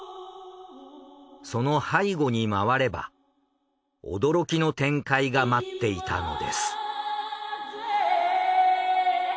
その背後に回れば驚きの展開が待っていたのです。